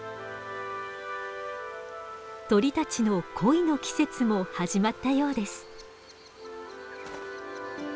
鳥たちの恋の季節も始まったようです。